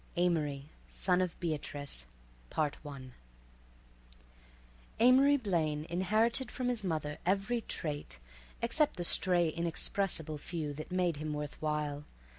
Amory, Son of Beatrice Amory Blaine inherited from his mother every trait, except the stray inexpressible few, that made him worth while.